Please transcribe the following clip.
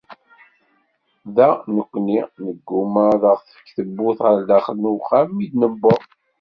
Da nekkni, neggumma ad aɣ-tefk tewwurt ɣer daxel n uxxam mi d-newweḍ.